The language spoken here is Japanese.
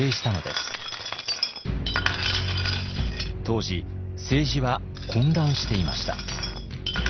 当時政治は混乱していました。